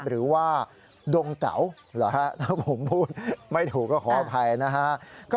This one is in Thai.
หรือว่าดงเต๋าถ้าผมพูดไม่ถูกก็ขออภัยนะฮะ